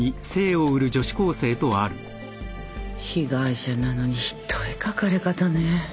被害者なのにひどい書かれ方ね。